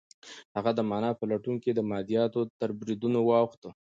هغه د مانا په لټون کې د مادیاتو تر بریدونو واوښت.